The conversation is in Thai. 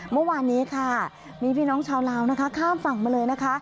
เมื่อวานนี้ค่ะมีพี่น้องชาวลาวนะคะข้ามฝั่งมาเลยนะคะ